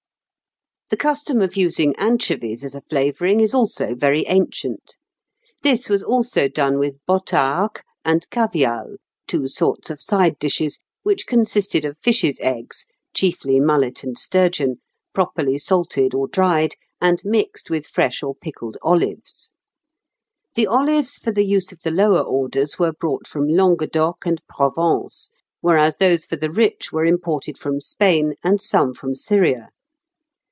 The custom of using anchovies as a flavouring is also very ancient. This was also done with botargue and cavial, two sorts of side dishes, which consisted of fishes' eggs, chiefly mullet and sturgeon, properly salted or dried, and mixed with fresh or pickled olives. The olives for the use of the lower orders were brought from Languedoc and Provence, whereas those for the rich were imported from Spain and some from Syria.